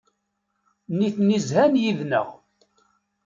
Nitni zhan yid-neɣ.